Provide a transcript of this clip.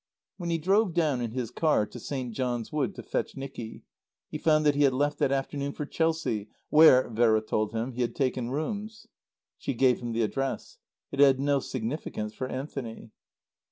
When he drove down in his car to St. John's Wood to fetch Nicky, he found that he had left that afternoon for Chelsea, where, Vera told him, he had taken rooms. She gave him the address. It had no significance for Anthony.